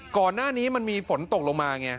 ก่อนหน้านี้มันมีฝนตกลงมาไง